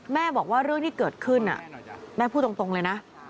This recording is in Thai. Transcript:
แม่บอกว่าเรื่องที่เกิดขึ้นแม่พูดตรงเลยนะ